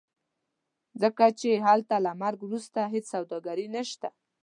ځکه چې هلته له مرګ وروسته هېڅ سوداګري نشته.